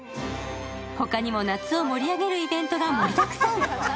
ほかにも、夏を盛り上げるイベントが盛りだくさん。